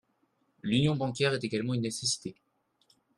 L’union bancaire est également une nécessité.